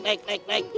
naik naik naik